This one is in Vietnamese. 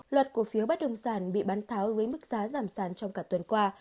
loạt cổ phiếu bắt đồng sản bị bán tháo với mức giá giảm sản trong cả tuần qua